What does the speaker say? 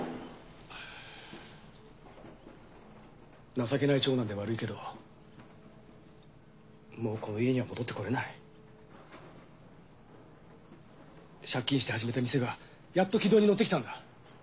情けない長男で悪いけどもうこの家には戻ってこれない。借金して始めた店がやっと軌道に乗ってきたんだ。